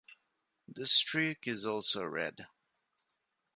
The streak is also red.